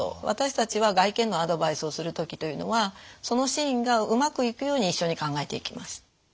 私たちは外見のアドバイスをする時というのはそのシーンがうまくいくように一緒に考えていきます。